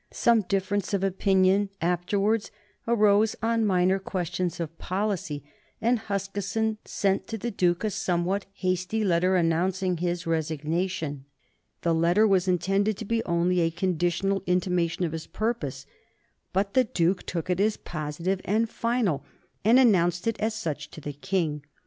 Some difference of opinion afterwards arose on minor questions of policy, and Huskisson sent to the Duke a somewhat hasty letter announcing his resignation. The letter was intended to be only a conditional intimation of his purpose, but the Duke took it as positive and final, and announced it as such to the King.